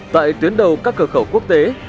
tại tuyến đầu các cửa khẩu quốc tế